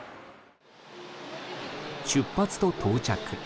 出発と到着